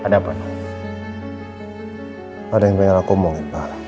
ada apa ada yang pengen aku mau